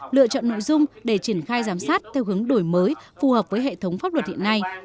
lựa chọn nội dung để triển khai giám sát theo hướng đổi mới phù hợp với hệ thống pháp luật hiện nay